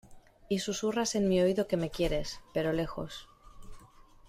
Y susurras en mi oído que me quieres, pero lejos.